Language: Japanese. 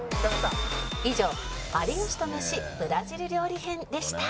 「以上有吉とメシブラジル料理編でした」